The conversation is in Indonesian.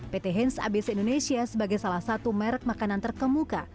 pt hens abc indonesia sebagai salah satu merek makanan terkemuka